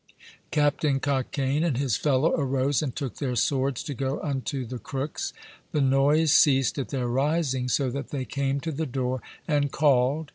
Captain Cockaine and his fellow arose, and took their swords to go unto the Crooks. The noise ceased at their rising, so that they came to the door and called.